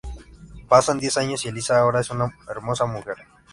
Pasan diez años y Elisa ahora es una hermosa mujer.